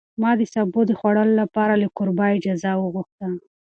ما د سابو د خوړلو لپاره له کوربه اجازه وغوښته.